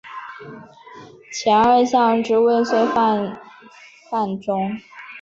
前二项之未遂犯罚之。